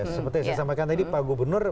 seperti yang saya sampaikan tadi pak gubernur